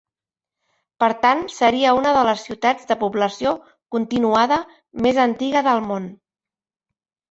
Per tant seria una de les ciutats de població continuada més antiga del món.